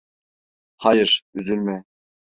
Hayır, üzülme.